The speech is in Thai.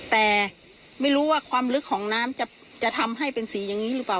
แต่ไม่รู้ว่าความลึกของน้ำจะทำให้เป็นสีอย่างนี้หรือเปล่า